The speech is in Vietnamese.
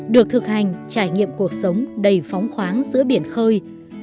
được thực hành trải nghiệm cuộc sống đầy phóng khoáng giữa biển khơi